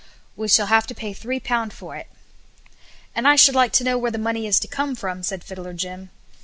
We shall have to pay three pounds for it." "And I should like to know where the money is to came from," said Fiddler Jim.